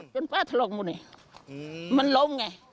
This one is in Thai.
จนพาทรงปุ่นมันล้มไง